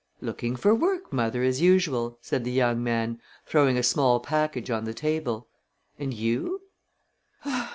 "Looking for work, mother, as usual," said the young man, throwing a small package on the table. "And you?"